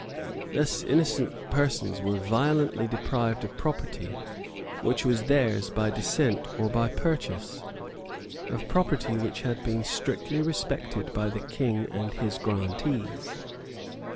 Thus innocent persons were violently deprived of property which was theirs by descent or by purchase, of property which had been strictly respected by the King and by his grantees.